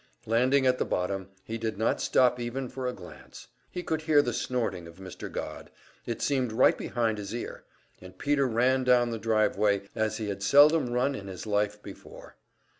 Landing at the bottom, he did not stop even for a glance; he could hear the snorting of Mr. Godd, it seemed right behind his ear, and Peter ran down the driveway as he had seldom run in his life before.